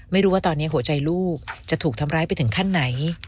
ไม่รู้ว่าตอนนี้หัวใจลูกจะถูกทำร้ายไปถึงขั้นไหน